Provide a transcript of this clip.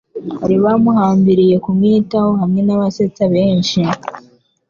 Bari bamuhambiriye kumwitaho, hamwe nabasetsa benshi;